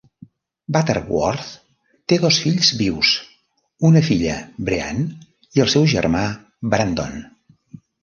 Butterworth té dos fills vius, una filla, BreAnne, i el seu germà, Brandon.